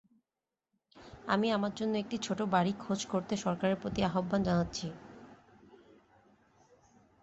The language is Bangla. আমি আমার জন্য একটি ছোট বাড়ি খোঁজ করতে সরকারের প্রতি আহ্বান জানাচ্ছি।